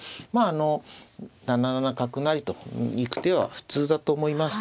あの７七角成と行く手は普通だと思います。